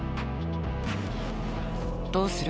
どうする？